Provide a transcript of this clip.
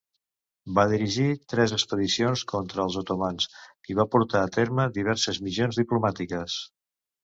Va dirigir tres expedicions contra els otomans, i va portar a terme diverses missions diplomàtiques.